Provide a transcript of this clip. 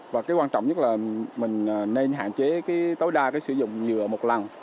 và cái quan trọng nhất là mình nên hạn chế tối đa sử dụng dừa một lần